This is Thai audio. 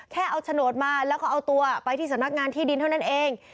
แค่เอาโฉนดมาแล้วก็เอาตัวไปที่สำนักงานที่ดินเท่านั้นเอง